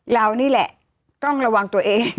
เรานี่แหละต้องระวังตัวเอง